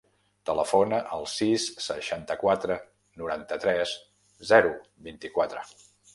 Telefona al sis, seixanta-quatre, noranta-tres, zero, vint-i-quatre.